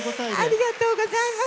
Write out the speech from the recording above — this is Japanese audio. ありがとうございます。